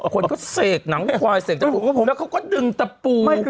คนก็เสกหนังควายเสกตะปูแล้วเขาก็ดึงตะปู